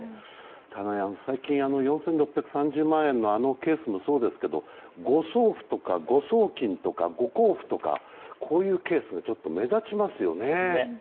ただ、最近の４６３０万円のあのケースもそうですが誤送付とか誤送金とか誤交付とか、こういうケースがちょっと目立ちますよね。